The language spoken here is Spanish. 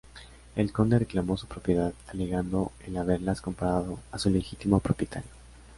El conde reclamó su propiedad alegando el haberlas comprado a su legítimo propietario.